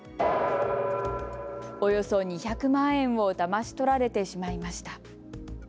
およそ２００万円をだまし取られてしまいました。